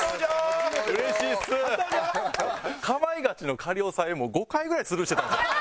『かまいガチ』の仮押さえ５回ぐらいスルーしてたんです。